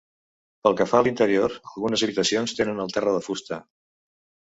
Pel que fa a l'interior, algunes habitacions tenen el terra de fusta.